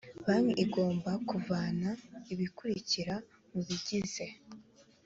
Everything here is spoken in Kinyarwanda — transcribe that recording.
banki igomba kuvana ibikurikira mu bigize